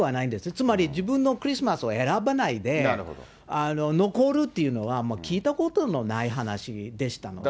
つまり自分のクリスマスを選ばないで、残るっていうのは、もう聞いたことのない話でしたので。